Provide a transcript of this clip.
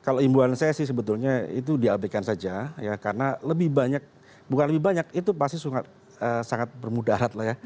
kalau imbuan saya sih sebetulnya itu diabaikan saja ya karena lebih banyak bukan lebih banyak itu pasti sangat bermudarat lah ya